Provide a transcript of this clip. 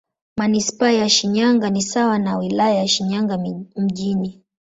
Manisipaa ya Shinyanga ni sawa na Wilaya ya Shinyanga Mjini.